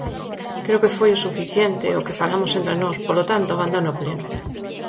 Creo que foi suficiente o que falamos entre nós; polo tanto, abandone o pleno.